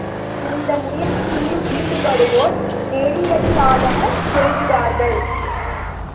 இந்த முயற்சியில் ஈடுபடுவோர் நெறியல்லாதன செய்கிறார்கள்!